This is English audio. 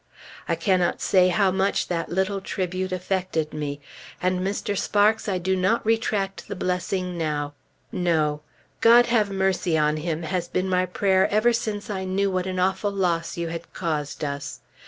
I cannot say how much that little tribute affected me. And, Mr. Sparks, I do not retract the blessing now. No! "God have mercy on him!" has been my prayer ever since I knew what an awful loss you had caused us.